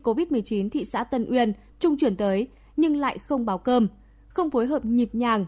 covid một mươi chín thị xã tân uyên trung chuyển tới nhưng lại không báo cơm không phối hợp nhịp nhàng